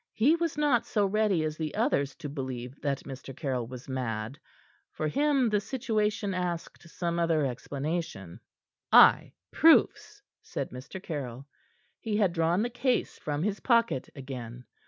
He was not so ready as the others to believe, that Mr. Caryll was mad. For him, the situation asked some other explanation. "Ay proofs," said Mr. Caryll. He had drawn the case from his pocket again.